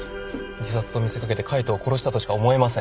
自殺と見せかけて海藤を殺したとしか思えません。